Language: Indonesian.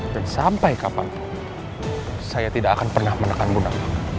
dan sampai kapanpun saya tidak akan pernah menekan bunda wang